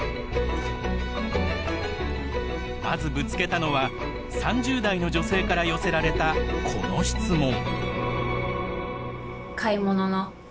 まず、ぶつけたのは３０代の女性から寄せられたこの質問。